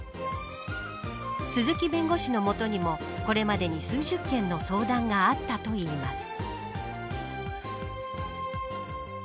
鈴木弁護士のもとにもこれまでに数十件の相談があったといいます。